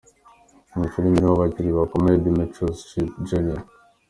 Iyi filime irimo abakinnyi bakomeye Demetrius Shipp, Jr.